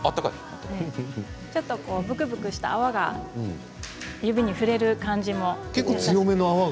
ちょっとぶくぶくした泡が指に触れる感じも。